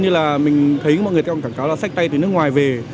chứ là mình thấy mọi người còn cảnh cáo là sách tay từ nước ngoài về